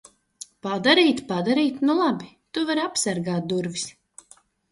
Padarīt? Padarīt? Nu labi. Tu vari apsargāt durvis.